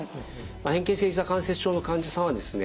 変形性ひざ関節症の患者さんはですね